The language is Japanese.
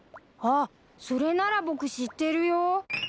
あっそれなら僕知ってるよ。